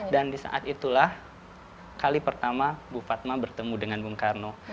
dan di saat itulah kali pertama bu fatma bertemu dengan bung karno